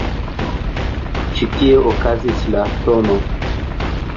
Ĉi tie okazis la tn.